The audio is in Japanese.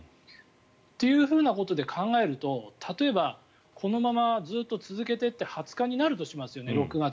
ということで考えると、例えばこのままずっと続けていって６月の２０日になるとしますよね。